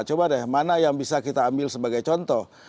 coba deh mana yang bisa kita ambil sebagai contoh